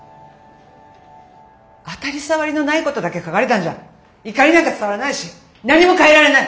当たり障りのないことだけ書かれたんじゃ怒りなんか伝わらないし何も変えられない！